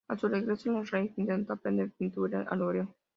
A su regreso a Leipzig, intentó aprender pintura al óleo.